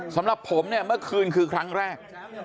สำหรับผมเนี่ยเมื่อคืนคือครั้งแรก